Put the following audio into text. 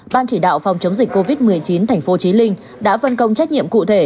ban chỉ đạo phòng chống dịch covid một mươi chín tp chí linh đã vân công trách nhiệm cụ thể